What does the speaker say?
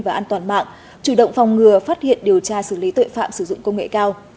và an toàn mạng chủ động phòng ngừa phát hiện điều tra xử lý tội phạm sử dụng công nghệ cao